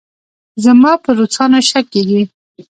زما په روسانو شک کېږي.